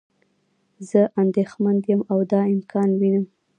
زه اندیښمند یم او دا امکان وینم.